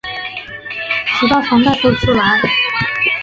直到房贷付不出来